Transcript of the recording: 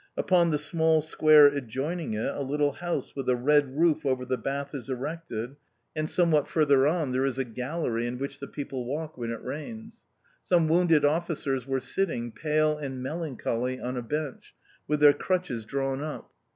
Upon the small square adjoining it a little house with a red roof over the bath is erected, and somewhat further on there is a gallery in which the people walk when it rains. Some wounded officers were sitting pale and melancholy on a bench, with their crutches drawn up.